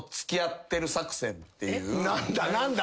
何だ何だ？